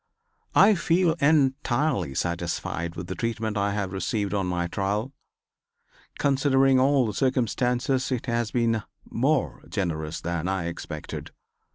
I feel entirely satisfied with the treatment I have received on my trial. Considering all the circumstances it has been more generous than I expected.